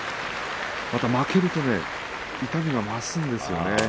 ただ負けるとね痛みが増すんですよね。